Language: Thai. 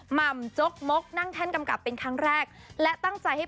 หม่ำจกมกนั่งแท่นกำกับเป็นครั้งแรกและตั้งใจให้